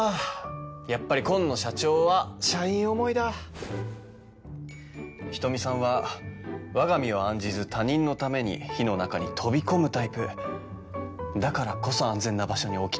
やっぱり紺野社長は社員思いだ人見さんは我が身を案じず他人のために火の中に飛び込むタイプだからこそ安全な場所に置きたいんですよね？